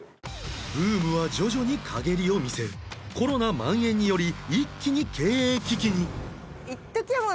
ブームは徐々に陰りを見せコロナ蔓延により一気に経営危機に